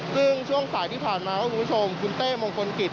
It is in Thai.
ซึ่งช่วงสายที่ผ่านมาครับคุณผู้ชมคุณเต้มงคลกิจ